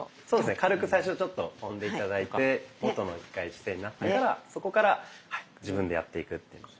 軽く最初ちょっと跳んで頂いて元の一回姿勢になってからそこから自分でやっていく。